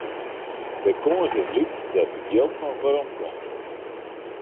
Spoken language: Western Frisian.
De kâns is lyts dat it jild noch werom komt.